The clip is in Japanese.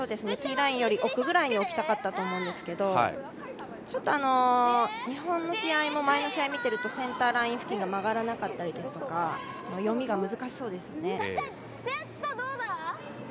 ティーラインより奥ぐらいに置きたかったと思うんですけど日本の試合も、前の試合を見ていると、センターライン付近が曲がらなかったりですとか読みが難しそうですね。